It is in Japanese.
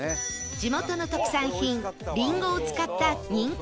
地元の特産品りんごを使った人気のアップルパイ